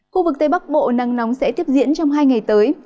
khu vực tây bắc bộ nắng nóng sẽ tiếp diễn trong hai ngày tới